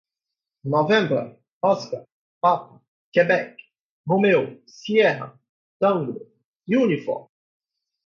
november, oscar, papa, quebec, romeo, sierra, tango, uniform